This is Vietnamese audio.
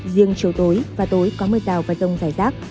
riêng chiều tối và tối có mưa rào và rông rải rác